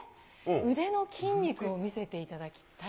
腕の筋肉を見せていただきたい。